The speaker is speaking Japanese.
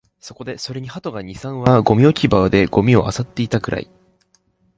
それに鳩が二、三羽、ゴミ置き場でゴミを漁っていたくらい